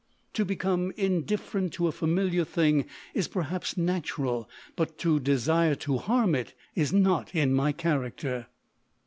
To become indifferent to a familiar thing is perhaps natural; but to desire to harm it is not in my character."